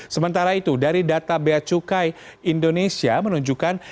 sementara itu dari data bea cukai indonesia menunjukkan